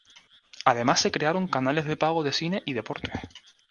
Además se crearon canales de pago de cine y deportes.